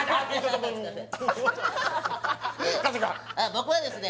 僕はですね